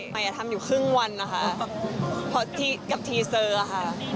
ใหม่ทำอยู่ครึ่งวันนะคะกับทีเซอร์ค่ะ